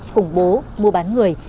khủng bố mua bán người